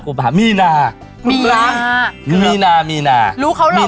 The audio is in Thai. โหยิวมากประเด็นหัวหน้าแซ่บที่เกิดเดือนไหนในช่วงนี้มีเกณฑ์โดนหลอกแอ้มฟรี